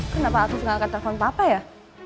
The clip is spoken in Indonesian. kenapa aku sengalkan telepon papa ya